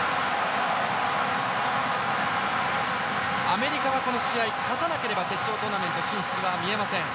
アメリカはこの試合勝たなければ決勝トーナメント進出は見えません。